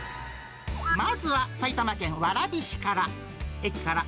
まずは、埼玉県蕨市から。